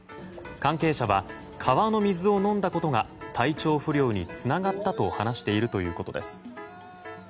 関係者は川の水を飲んだことが体調不良につながったと話しているということです。